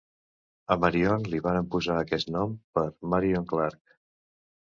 A Marion li varen posar aquest nom per Marion Clark.